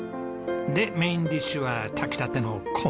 でメインディッシュは炊きたての米！